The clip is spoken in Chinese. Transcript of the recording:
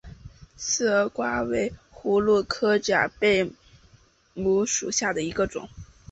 刺儿瓜为葫芦科假贝母属下的一个种。